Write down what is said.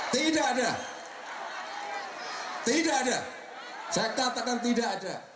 tidak ada tidak ada saya katakan tidak ada